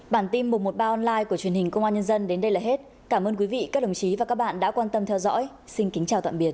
bản tin một trăm một mươi ba online của truyền hình công an nhân dân đến đây là hết cảm ơn quý vị các đồng chí và các bạn đã quan tâm theo dõi xin kính chào tạm biệt